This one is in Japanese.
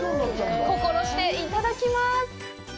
心していただきます！